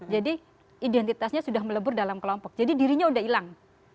jadi identitasnya sudah melebur dalam kelompok jadi dirinya sudah hilang